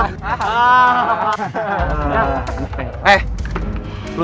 haa merah haa merah